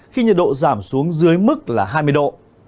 khi nhiệt độ giảm xuống dưới mức là hai mươi độ